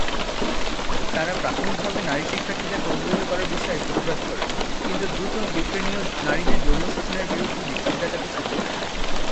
তারা প্রাথমিকভাবে নারী শিক্ষার্থীদের প্রভাবিত করার বিষয়ে প্রতিবাদ করে, কিন্তু দ্রুত ইউক্রেনীয় নারীদের যৌন শোষণের বিরুদ্ধে বিক্ষোভ দেখাতে শুরু করে।